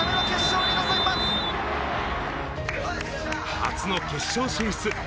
初の決勝進出。